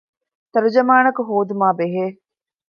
ތަރުޖަމާނަކު ހޯދުމާ ބެހޭ